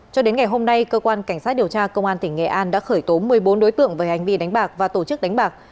cho đến ngày hôm nay cơ quan cảnh sát điều tra công an tỉnh nghệ an đã khởi tố một mươi bốn đối tượng về hành vi đánh bạc và tổ chức đánh bạc